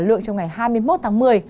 lượng trong ngày hai mươi một tháng một mươi